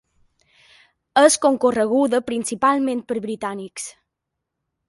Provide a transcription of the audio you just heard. És concorreguda principalment per britànics.